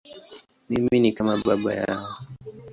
Mimi ni kama baba yao.